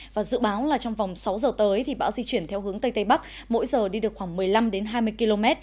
và dự báo là trong vòng sáu giờ tới thì bão di chuyển theo hướng tây tây bắc mỗi giờ đi được khoảng một mươi năm hai mươi km